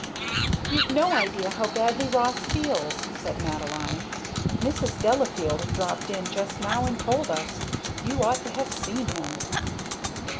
"You've no idea how badly Ross feels!" said Madeline. "Mrs. Delafield dropped in just now and told us. You ought to have seen him!"